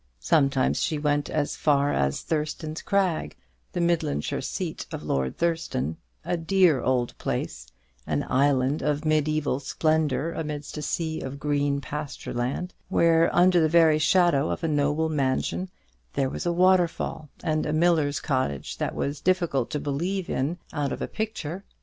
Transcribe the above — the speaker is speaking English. Sometimes she went as far as Thurston's Crag, the Midlandshire seat of Lord Thurston; a dear old place, an island of mediæval splendour amidst a sea of green pasture land, where, under the very shadow of a noble mansion, there was a waterfall and a miller's cottage that was difficult to believe in out of a picture.